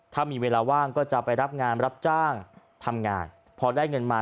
ถ้ามีเวลาว่างก็จะไปรับงานรับจ้างทำงานพอได้เงินมา